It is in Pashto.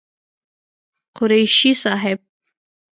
قريشي صاحب